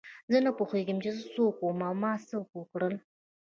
زه نه پوهېږم چې زه څوک وم او ما څه وکړل.